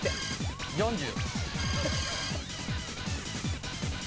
４０。